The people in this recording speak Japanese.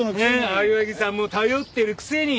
青柳さんも頼ってるくせに！